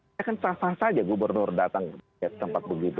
ya kan sah sah saja gubernur datang ke tempat begitu